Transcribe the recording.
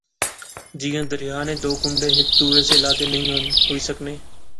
جیاں دریا نے دو کنڈے ہیک دوے سے لادے نئیں ہوئی سکنے